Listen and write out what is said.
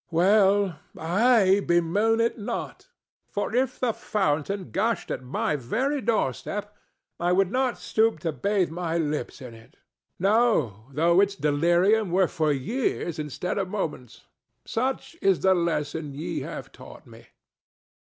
Well, I bemoan it not; for if the fountain gushed at my very doorstep, I would not stoop to bathe my lips in it—no, though its delirium were for years instead of moments. Such is the lesson ye have taught me."